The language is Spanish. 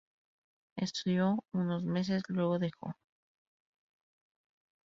Estudio unos meses, luego dejó.